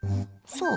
そう？